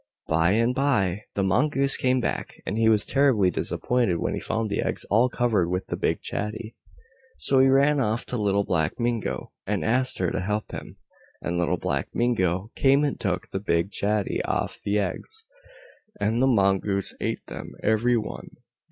By and by the Mongoose came back, and he was terribly disappointed when he found the eggs all covered with the big chatty. So he ran off to Little Black Mingo, and asked her to help him, and Little Black Mingo came and took the big chatty off the eggs, and the Mongoose ate them every one.